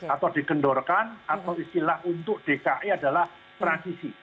atau digendorkan atau istilah untuk dki adalah transisi